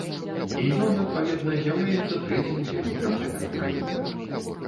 І ён, адпаведна, з'яўляецца трэцім удзельнікам гэтага праекта.